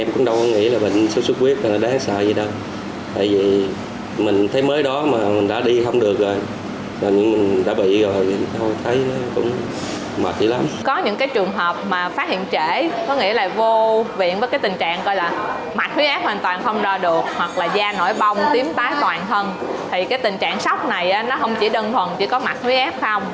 cái tình trạng sốt này nó không chỉ đơn thuần chỉ có mặt huyết không